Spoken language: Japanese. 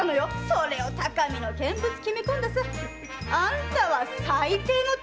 それを高みの見物決め込んでさあんたは最低の亭主だね！